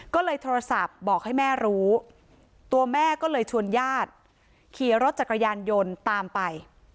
ก็เลยโทรศัพท์บอกให้แม่รู้ตัวแม่ก็เลยชวนญาติขี่รถจักรยานยนต์ตามไป